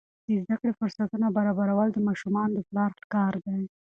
د زده کړې فرصتونه برابرول د ماشومانو د پلار کار دی.